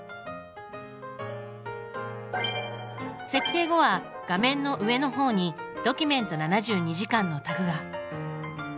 設定後は画面の上の方に「ドキュメント７２時間」のタグが。